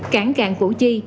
cảng càng củ chi